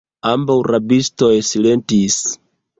Ambaŭ rabistoj silentis.